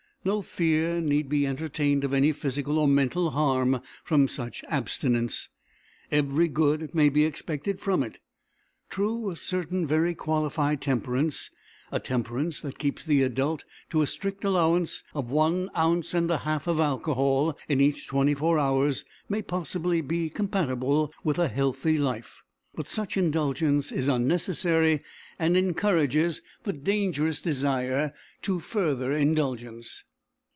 No fear need be entertained of any physical or mental harm from such abstinence. Every good may be expected from it. True, a certain very qualified temperance, a temperance that keeps the adult to a strict allowance of one ounce and a half of alcohol in each twenty four hours, may possibly be compatible with a healthy life; but such indulgence is unnecessary and encourages the dangerous desire to further indulgence.